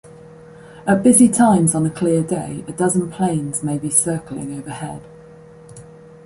At busy times on a clear day a dozen planes may be circling overhead.